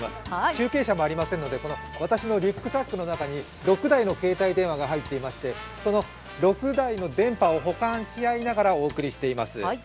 中継車もありませんので私のリュックサックの中に６台の携帯電話が入っていまして、その６台の電波を補完しあいながらお送りしています。